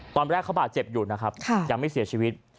ตอนแรกเขาบาดเจ็บอยู่นะครับยังไม่เสียชีวิต